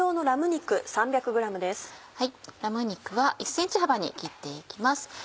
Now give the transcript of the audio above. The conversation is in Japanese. ラム肉は１ｃｍ幅に切って行きます。